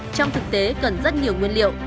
trong thực tế cần rất nhiều nguyên liệu